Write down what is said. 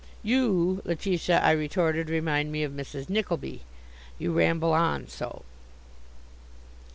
"You, Letitia," I retorted, "remind me of Mrs. Nickleby. You ramble on so."